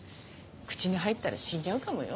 口に入ったら死んじゃうかもよ。